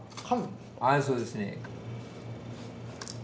はいそうですね。